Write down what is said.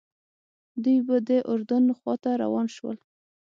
دوی به د اردن خواته روان شول.